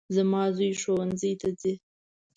زما زوی ښوونځي ته ځي